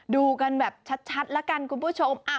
ดูกันแบบชัดแล้วกันคุณผู้ชม